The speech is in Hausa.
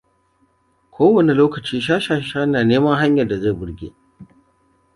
Kowane lokaci shashasha na neman hanyar da zai burge.